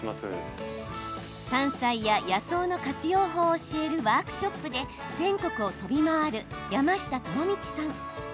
山菜や野草の活用法を教えるワークショップで全国を飛び回る山下智道さん。